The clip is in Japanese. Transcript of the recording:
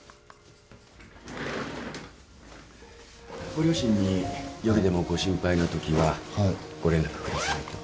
ご両親に夜でもご心配なときはご連絡下さいと。